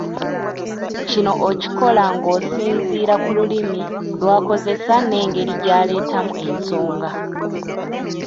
Kino okikola ng'osinziira ku lulimi lw'akozesa n'engeri gy'aleetamu ensonga.